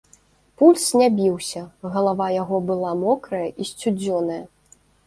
Пульс не біўся, галава яго была мокрая і сцюдзёная.